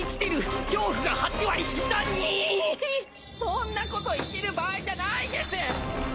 そんなこと言ってる場合じゃないです！